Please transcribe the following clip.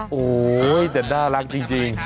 โอ้โหแต่น่ารักจริง